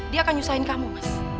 dia akan nyusahin kamu mas